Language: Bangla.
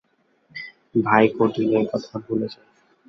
ভাইকোডিনের কথা ভুলে যাও।